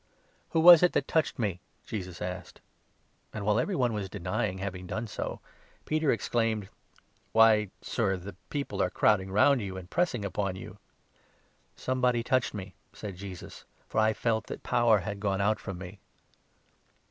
" Who was it that touched me ?" Jesus asked ; and, 45 while every one was denying having done so, Peter ex claimed :" Why, Sir, the people are crowding round you and pressing upon you !"" Somebody touched me," said Jesus ;" for I felt that power 46 had gone out from me."